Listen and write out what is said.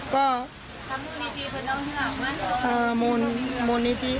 ก็มนติ